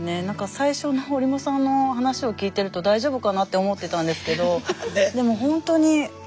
最初の折茂さんの話を聞いてると大丈夫かなって思ってたんですけど